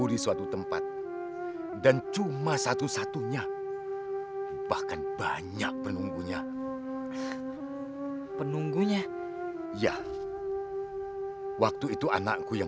ridwan salah ridwan